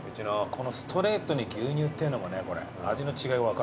このストレートに牛乳っていうのもね味の違い分かるからね一番。